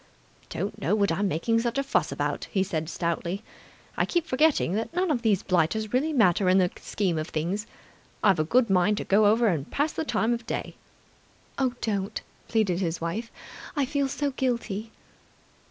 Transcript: "Don't know what I'm making such a fuss about," he said stoutly. "I keep forgetting that none of these blighters really matter in the scheme of things. I've a good mind to go over and pass the time of day." "Don't!" pleaded his wife. "I feel so guilty."